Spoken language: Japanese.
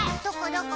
どこ？